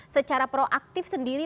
secara proaktif sendiri